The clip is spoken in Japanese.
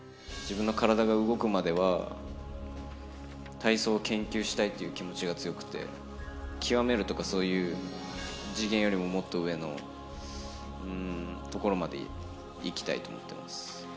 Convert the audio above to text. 自分の体が動くまでは、体操を研究したいという気持ちが強くて、極めるとかそういう次元よりも、もっと上のところまで行きたいと思ってます。